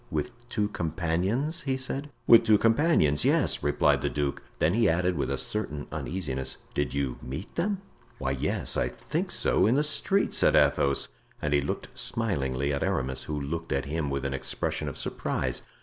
"With two companions?" he said. "With two companions, yes," replied the duke. Then he added with a certain uneasiness, "Did you meet them?" "Why, yes, I think so—in the street," said Athos; and he looked smilingly at Aramis, who looked at him with an expression of surprise.